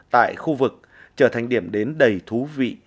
tại khu vực trở thành điểm đến đầy thú vị